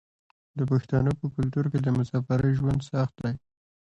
د پښتنو په کلتور کې د مسافرۍ ژوند سخت دی.